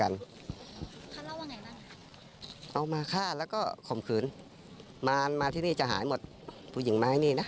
แต่พอมาเห็นวันนี้เชื่อเลยค่ะ